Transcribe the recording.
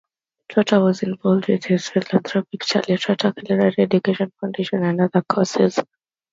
Trotter was involved with his philanthropic "Charlie Trotter Culinary Education Foundation" and other causes.